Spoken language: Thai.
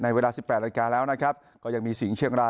ในเวลาสิบแปดแกระดับแกล้วนะครับก็ยังมีสิวิ่งเชียงรา